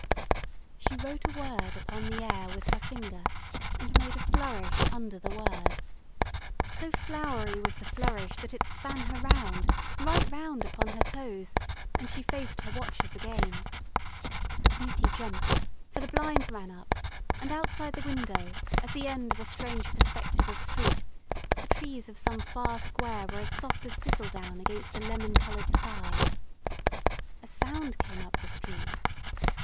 She wrote a word upon the air with her finger, and made a flourish under the word. So flowery was the flourish that it span her round, right round upon her toes, and she faced her watchers again. The committee jumped, for the blind ran up, and outside the window, at the end of a strange perspective of street, the trees of some far square were as soft as thistledown against a lemon coloured sky. A sound came up the street....